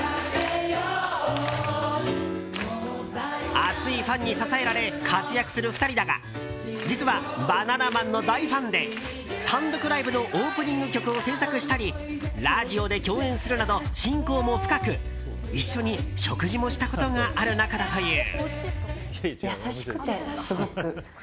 熱いファンに支えられ活躍する２人だが実は、バナナマンの大ファンで単独ライブのオープニング曲を制作したりラジオで共演するなど親交も深く一緒に食事もしたことがある仲だという。